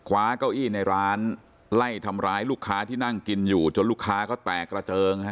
เก้าอี้ในร้านไล่ทำร้ายลูกค้าที่นั่งกินอยู่จนลูกค้าก็แตกกระเจิง